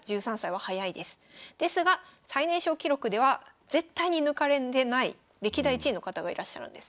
最年少記録では絶対に抜かれない歴代１位の方がいらっしゃるんです。